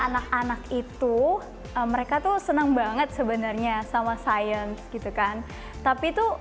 anak anak itu mereka tuh seneng banget sebenarnya sama sains gitu kan tapi tuh